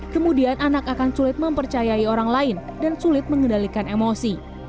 kemudian anak akan sulit mempercayai orang lain dan sulit mengendalikan emosi